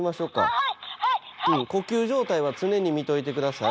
呼吸状態は常に見といて下さい。